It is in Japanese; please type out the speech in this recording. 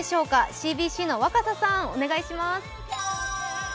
ＣＢＣの若狭さん、お願いします。